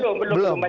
belum belum belum